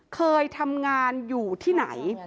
เคยทำงานอยู่ที่ไหน